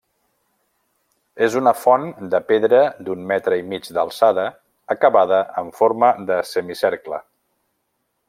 És una font de pedra d'un metre i mig d'alçada acabada en forma de semicercle.